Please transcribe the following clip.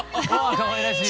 かわいらしい。